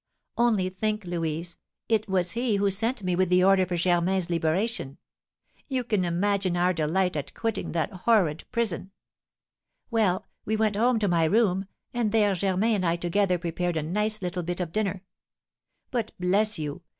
Only think, Louise, it was he who sent me with the order for Germain's liberation! You can imagine our delight at quitting that horrid prison. Well, we went home to my room, and there Germain and I together prepared a nice little bit of dinner; but, bless you!